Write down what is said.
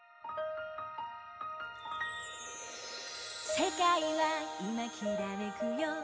「世界はいまきらめくよ」